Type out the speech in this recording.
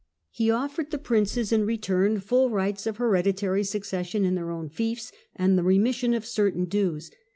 He offered the princes in return full rights of hereditary succession in their own fiefs, and the remission of certain dues.